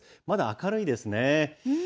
まだ明るいですね。